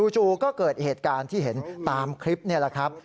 จู่ก็เกิดเหตุการณ์ที่เห็นตามคลิปนี่แหละครับ